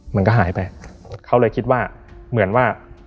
มันก็หายไปเขาเลยคิดว่าเหมือนว่า